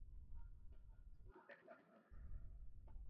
ওদের দেখিনি আমি বললামই তো!